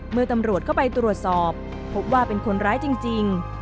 เมื่อตำรวจเข้าไปตรวจสอบพบว่าเป็นคนร้ายจริง